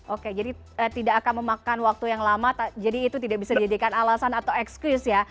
oke jadi tidak akan memakan waktu yang lama jadi itu tidak bisa dijadikan alasan atau excuse ya